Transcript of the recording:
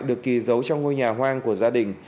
được kỳ giấu trong ngôi nhà hoang của gia đình